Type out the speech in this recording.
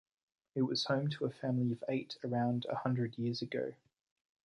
It was home to a family of eight around a hundred years ago.